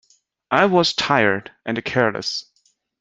I was tired and careless.